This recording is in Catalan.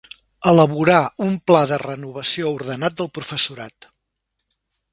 Elaborà un pla de renovació ordenat del professorat.